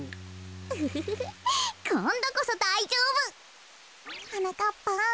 ウフフフこんどこそだいじょうぶ！はなかっぱん。